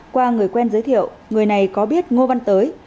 qua người quen giới thiệu người này có biết ngô văn tới